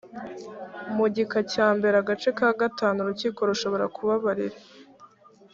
mugika cya mbere agace ka gatanu urukiko rushobora kubababarira